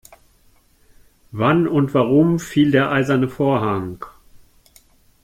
Wann und warum fiel der eiserne Vorhang?